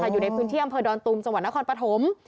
อยู่ในพื้นที่อำเภอดอนตุมจังหวัดนครปฐม